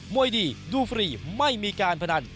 วยดีดูฟรีไม่มีการพนัน